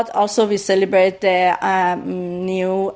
tapi juga kita mengucapkan